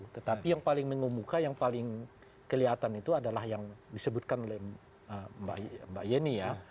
tetapi yang paling mengemuka yang paling kelihatan itu adalah yang disebutkan oleh mbak yeni ya